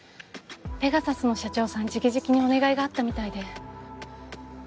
ペガサスの社長さん直々にお願いがあったみたいで。